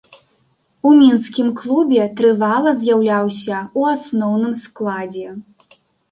У мінскім клубе трывала з'яўляўся ў асноўным складзе.